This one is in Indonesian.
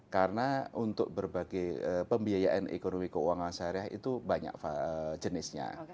karena untuk berbagai pembiayaan ekonomi keuangan sariah itu banyak jenisnya